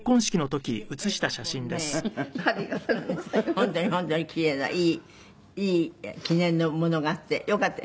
本当に本当にキレイないい記念のものがあってよかったですよね。